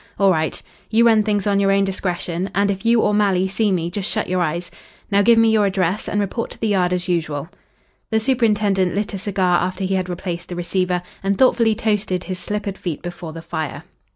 All right. You run things on your own discretion, and if you or Malley see me just shut your eyes. Now give me your address and report to the Yard as usual." The superintendent lit a cigar after he had replaced the receiver, and thoughtfully toasted his slippered feet before the fire.